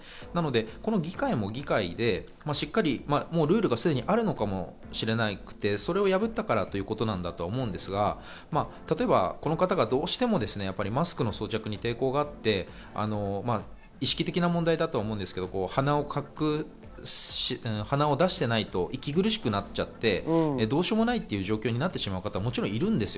この議会も議会で、しっかりルールがすでにあるのかもしれなくて、それを破ったからということだと思うんですが、例えばこの方がどうしてもマスクの装着に抵抗があって、意識的な問題だとは思うんですけど、鼻を出していないと息苦しくなっちゃって、どうしようもないという状況になってしまう方、もちろんいるんです。